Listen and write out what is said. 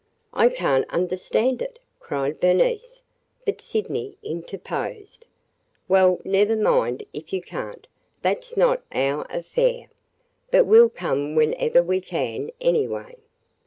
"I can't understand it!" cried Bernice. But Sydney interposed: "Well, never mind if you can't. That 's not our affair. But we 'll come whenever we can, anyway.